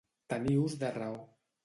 Tenir ús de raó.